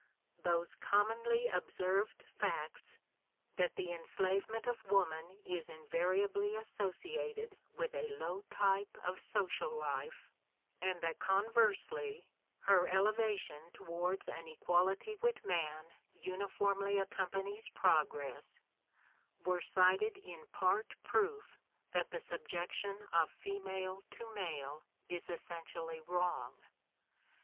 Those commonly observed facts, that the enslave ment of woman is invariably associated with a low type of social life, and that conversely, her elevation towards an equality with man uniformly accompanies progress, were cited in part proof that the subjection of female to male is essentially wrong.